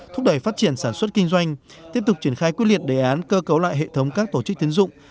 thúc đẩy phát triển sản xuất kinh doanh tiếp tục triển khai quyết liệt đề án cơ cấu lại hệ thống các tổ chức tiến dụng